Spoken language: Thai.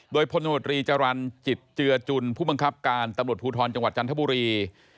โดยพลตำรวจรีจรรย์จิตเจือจุนผู้บังคับการตำรวจภูทรจังหวัดจันทบุรี